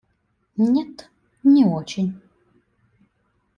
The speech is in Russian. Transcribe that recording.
Нет, не очень.